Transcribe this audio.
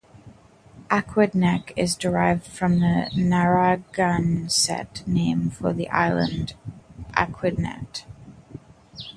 "Aquidneck" is derived from the Narragansett name for the island "aquidnet".